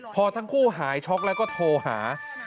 พอทั้งคู่หายช็อกแล้วก็โทรหา